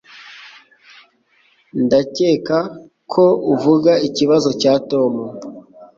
Ndakeka ko uvuga ikibazo cya Tom.